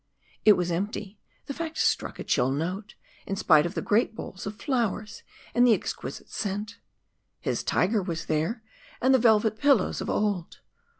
It was empty the fact struck a chill note, in spite of the great bowls of flowers and the exquisite scent. His tiger was there, and the velvet pillows of old.